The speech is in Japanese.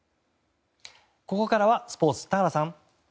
ここからはスポーツ田原さん。